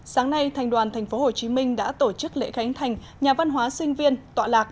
sáng nay thành đoàn tp hcm đã tổ chức lễ khánh thành nhà văn hóa sinh viên tọa lạc